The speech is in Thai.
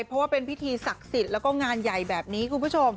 เพราะว่าเป็นพิธีศักดิ์สิทธิ์แล้วก็งานใหญ่แบบนี้คุณผู้ชม